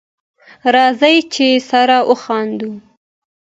راځی چی سره وخاندو